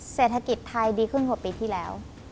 เศรษฐกิจไทยดีขึ้นกว่าปีที่แล้ว